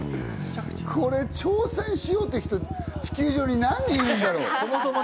これ挑戦しようって人、地球上に何人いるんだよ。